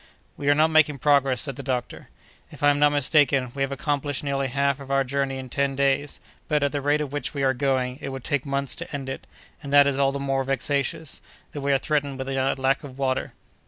"We are not making progress," said the doctor. "If I am not mistaken, we have accomplished nearly half of our journey in ten days; but, at the rate at which we are going, it would take months to end it; and that is all the more vexatious, that we are threatened with a lack of water."